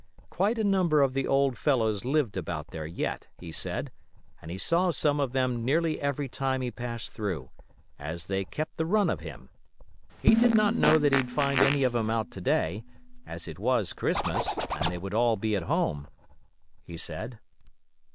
Quite a number of the old fellows lived about there yet, he said, and he saw some of them nearly every time he passed through, as they 'kept the run of him.' He did not know that he'd 'find any of them out to day, as it was Christmas, and they would all be at home,' he said.